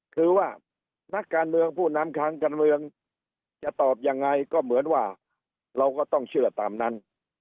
คือว่านักการเมืองผู้นำทางการเมืองจะตอบยังไงก็เหมือนว่าเราก็ต้องเชื่อตามนั้น